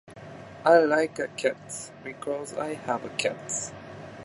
I like cats. Because I have cats.